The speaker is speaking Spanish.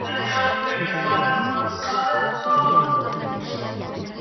Esto quiere decir que para el budismo, los animales sienten y padecen.